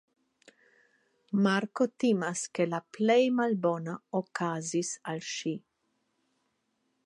Marko timas ke la plej malbona okazis al ŝi.